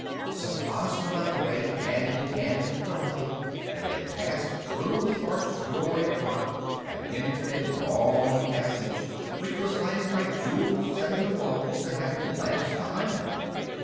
So Ozma led the way, hand in hand with Dorothy, and they passed through the arched doorway of rock and entered a long passage which was lighted by jewels set in the walls and having lamps behind them.